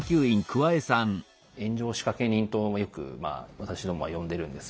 炎上仕掛け人とよくまあ私どもは呼んでるんですが。